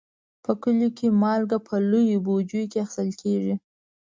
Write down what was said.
په کلیو کې مالګه په لویو بوجیو کې اخیستل کېږي.